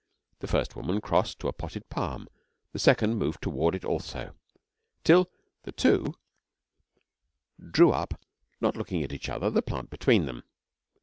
The first woman crossed to a potted palm; the second moved toward it also, till the two drew, up, not looking at each other, the plant between them.